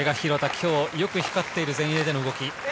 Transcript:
今日はよく光っている、前衛での動き。